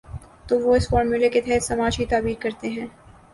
تو وہ اس فارمولے کے تحت سماج کی تعبیر کرتے ہیں۔